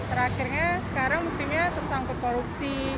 terakhirnya sekarang mungkin ya tersangkut korupsi